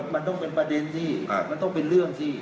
มันต้องเป็นประเด็นสิมันต้องเป็นเรื่องสิ